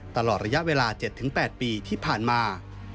ตลอดระยะเวลา๗๘ปีที่ผ่านมา